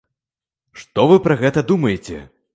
Што вы пра гэта думаеце?